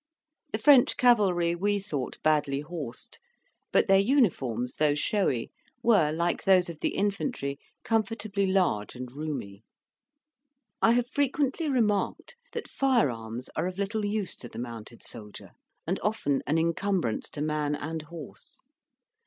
The French cavalry we thought badly horsed; but their uniforms, though showy, were, like those of the infantry, comfortably large and roomy. I have frequently remarked that firearms are of little use to the mounted soldier, and often an incumbrance to man and horse.